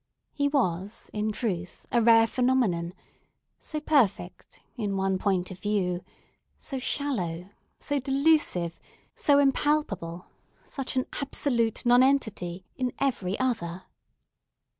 He was, in truth, a rare phenomenon; so perfect, in one point of view; so shallow, so delusive, so impalpable such an absolute nonentity, in every other.